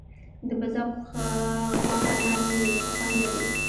د بزه غوښه نرم نه وي، خو خوند لري.